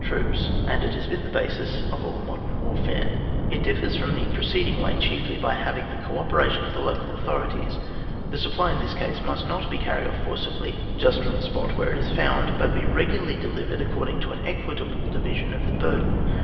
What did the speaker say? XIW] SUBSISTENCA 49 troops, and it has been the basis of all modem wars. , It differs from the preceding way chiefly by its having the co operation of the local authorities. The supply in this case must not be carried off forcibly just from the spot where it is found, but be regularly delivered according to an equit able division of the burden.